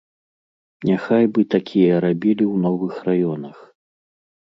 Няхай бы такія рабілі ў новых раёнах.